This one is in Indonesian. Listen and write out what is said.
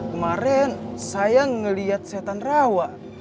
kemarin saya melihat setan rawa